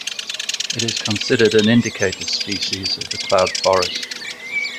It is considered an indicator species of the cloud forest.